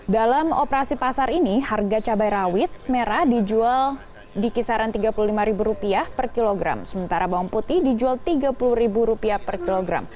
dalam operasi pasar ini harga cabai rawit merah dijual di kisaran rp tiga puluh lima per kilogram sementara bawang putih dijual rp tiga puluh per kilogram